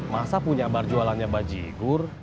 masa punya bar jualannya bajigur